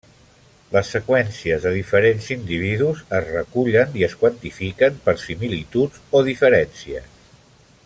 Les seqüències de diferents individus es recullen i es quantifiquen per similituds o diferències.